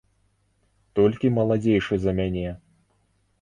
Толькі маладзейшы за мяне.